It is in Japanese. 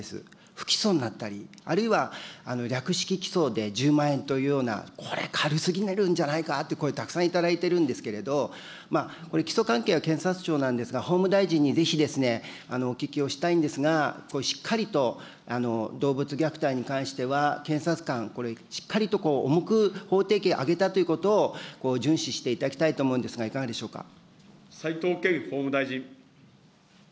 不起訴になったり、あるいは略式起訴で１０万円というような、これ、軽すぎるんじゃないかという声、たくさん頂いているんですけれども、これ起訴関係は検察庁なんですけれども、法務大臣にぜひ、お聞きをしたいんですが、しっかりと動物虐待に関しては検察官、これしっかりと、重く法定刑を上げたということを重視していただきたいと思うんですが、いかがでしょうか。